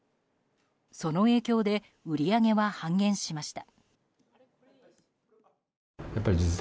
その影響で売り上げは半減しました。